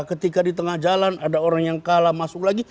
ketika di tengah jalan ada orang yang kalah masuk lagi